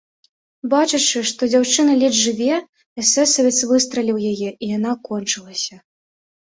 Бачачы, што дзяўчына ледзь жыве, эсэсавец выстраліў у яе, і яна кончылася.